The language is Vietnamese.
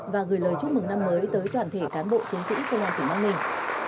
và gửi lời chúc mừng năm mới tới toàn thể cán bộ chiến sĩ công an tỉnh bắc ninh